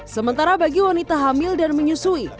sementara bagi wanita hamil dan menyusui